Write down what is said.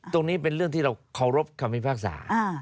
ตรงนี้เป็นเรื่องที่เราเคารพคำพิพากษา